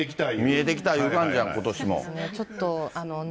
見えてきたいう感じやん、ことしも。